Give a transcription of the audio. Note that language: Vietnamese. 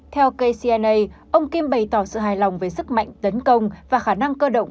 theo kcna ông kim bày tỏ sự hài lòng với sức mạnh tấn công và khả năng cơ động